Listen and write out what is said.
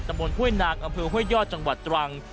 ดรรมวลเฮ้ยหนังอมฝือเฮ้ยยอดจังหวัดดรัง